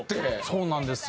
そうなんですよ。